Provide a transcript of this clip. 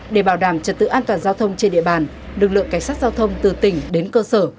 để bảo đảm trật tự an toàn giao thông trên địa bàn lực lượng cảnh sát giao thông từ tỉnh đến cơ sở